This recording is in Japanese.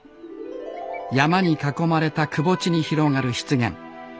山に囲まれたくぼ地に広がる湿原。